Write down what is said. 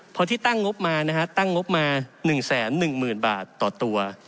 เพราะที่ตั้งงบมานะฮะตั้งงบมา๑แสน๑หมื่นบาทต่อตัว